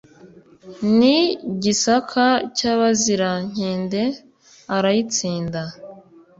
n’i Gisaka cy’Abazirankende arayitsinda